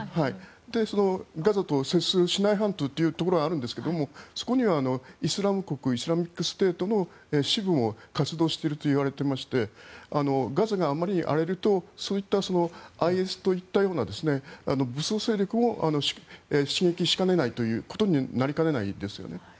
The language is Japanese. ガザと接するシナイ半島というところがあるんですがそこにはイスラム国イスラミックステートの支部もあって、ガザが荒れるとそういったＩＳＳといったような武装勢力も刺激しかねないということになりかねないですよね。